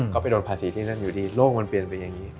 ก็ไปโดนภาษีที่นั่นอยู่ดีโลกมันเปลี่ยนไปอย่างนี้